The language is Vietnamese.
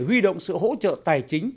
huy động sự hỗ trợ tài chính